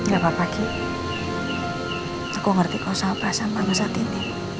gak apa apa ki aku ngerti kau salah perasaan mbak andin